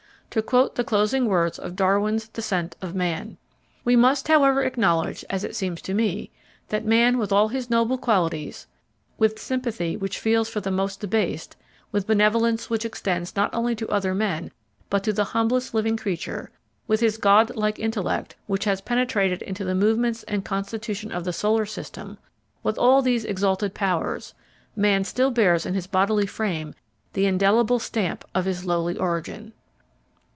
To quote the closing words of Darwin's Descent of Man: We must, however, acknowledge, as it seems to me, that man with all his noble qualities, with sympathy which feels for the most debased, with benevolence which extends not only to other men but to the humblest living creature, with his God like intellect, which has penetrated into the movements and constitution of the solar system with all these exalted powers man still bears in his bodily frame the indelible stamp of his lowly origin.